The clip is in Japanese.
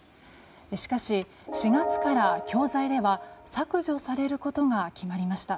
しかし、４月から教材では削除されることが決まりました。